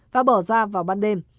và bỏ ra vào ban đêm